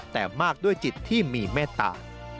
แต่มากด้วยจิตที่มีเมตตา